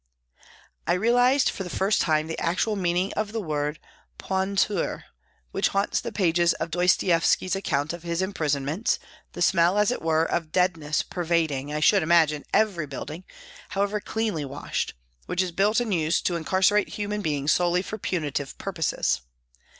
I realised for the first time the actual meaning of the word " puanteur," which haunts the pages of Dostoievsky's account of his imprison ments, the smell, as it were, of deadness pervading, I should imagine, every building, however cleanly washed, which is built and used to incarcerate human beings solely for punitive purposes.